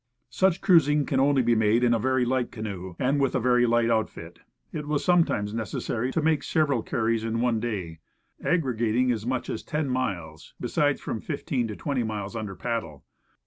Such cruising can only be made in a very light canoe, and with a very light outfit. It was sometimes necessary to make several carries in one day, aggre gating as much as ten miles, besides from fifteen to twenty miles under paddle.